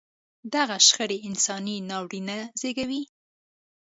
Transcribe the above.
دغه شخړې انساني ناورینونه زېږوي.